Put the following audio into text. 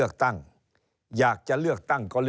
เริ่มตั้งแต่หาเสียงสมัครลง